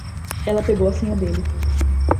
Ela pegou a senha dele.